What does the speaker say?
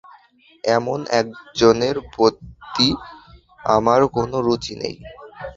এমন একজনের প্রতি আমার কোনো রুচি নেই।